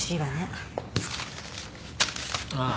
ああ。